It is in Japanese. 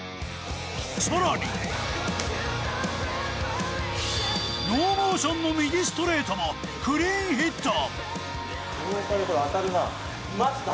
更にノーモーションの右ストレートもクリーンヒット。